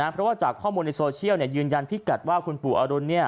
เพราะว่าจากข้อมูลในโซเชียลยืนยันพิกัดว่าคุณปู่อรุณ